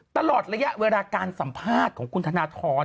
ตลอดระยะเวลาการสัมภาษณ์ของคุณธนทร